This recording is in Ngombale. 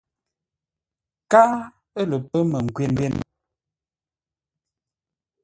Káa ə̂ lə pə́ məngwě no.